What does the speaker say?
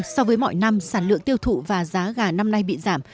so với mọi năm sản lượng tiêu thụ và giá gà năm nay bị giảm